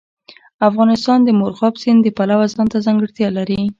افغانستان د مورغاب سیند د پلوه ځانته ځانګړتیا لري.